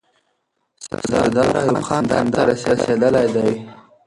سردار ایوب خان کندهار ته رسیدلی دی.